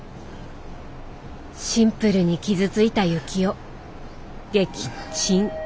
シンプルに傷ついた幸男撃沈。